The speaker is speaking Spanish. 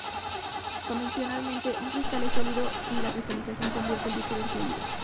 Convencionalmente, un cristal es sólido, y la cristalización convierte líquido en sólido.